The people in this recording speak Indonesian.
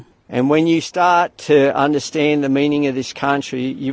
dan ketika anda mulai memahami artinya